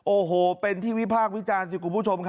โอ้โหเป็นที่วิพากษ์วิจารณ์สิกลุ่มผู้ชม